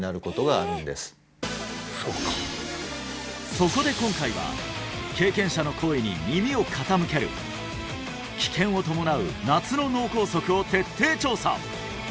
そこで今回は経験者の声に耳を傾ける危険を伴う夏の脳梗塞を徹底調査！